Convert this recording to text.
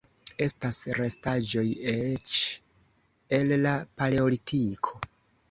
Estas restaĵoj eĉ el la Paleolitiko.